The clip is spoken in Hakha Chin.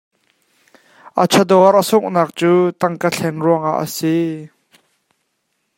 A chawdawr a sunghnak cu tangka thlen ruangah a si.